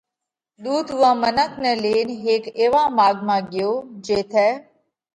ۮُوت اُوئا منک نئہ لينَ هيڪ ايوا ماڳ ڳيو جيٿئہ